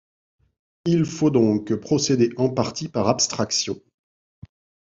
Il faut donc procéder en partie par abstraction.